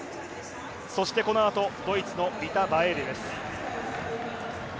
そしてこのあとドイツのリタ・バエーレです。